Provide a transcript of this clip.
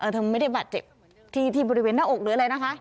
เธอไม่ได้บาดเจ็บที่บริเวณหน้าอกหรืออะไรนะคะ